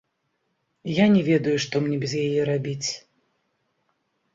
Я не ведаю, што мне без яе рабіць.